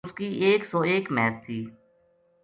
اس کی ایک سو ایک مھیس تھی